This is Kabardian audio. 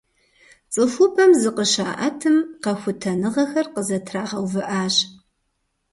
Цӏыхубэм зыкъыщаӀэтым, къэхутэныгъэхэр къызэтрагъэувыӀащ.